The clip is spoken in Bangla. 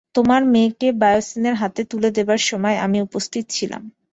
তোমার মেয়েকে বায়োসিনের হাতে তুলে দেবার সময় আমি উপস্থিত ছিলাম।